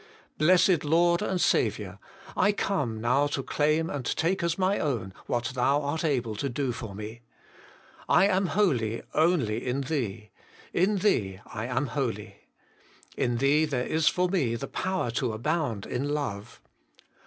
Blessed Lord and Saviour ! I come now to claim and take as my own, what Thou art able to p 226 HOLY IN CHRIST. do for me. I am holy only in Thee ; in Thee I am holy. In Thee there is for me the power to abound in love.